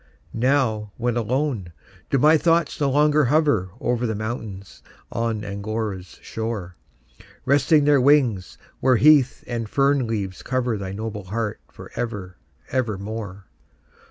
Now, when alone, do my thoughts no longer hover Over the mountains on Angora's shore, Resting their wings, where heath and fern leaves cover That noble heart for ever, ever more?